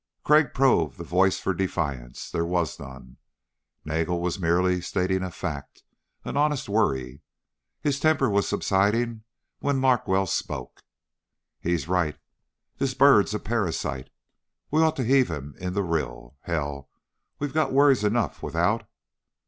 Crag probed the voice for defiance. There was none. Nagel was merely stating a fact an honest worry. His temper was subsiding when Larkwell spoke. "He's right. This bird's a parasite. We ought to heave him in the rill. Hell, we've got worries enough without...."